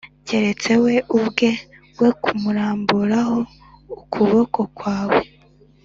keretse we ubwe we kumuramburaho ukuboko kwawe